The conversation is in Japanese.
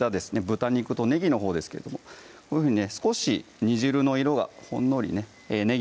豚肉とねぎのほうですけれどもこういうふうにね少し煮汁の色がほんのりね